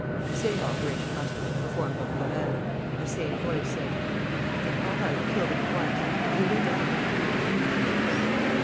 The same operation must have been performed on Gourel; and the same voice said: "If they call out, kill them at once. Have you your dagger?" "Yes."